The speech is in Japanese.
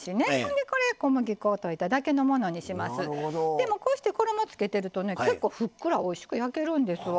でもこうして衣をつけてるとね結構ふっくらおいしく焼けるんですわ。